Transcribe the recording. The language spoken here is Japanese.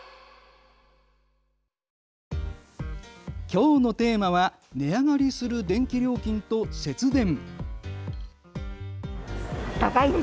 きょうのテーマは値上がりする電気料金と節電。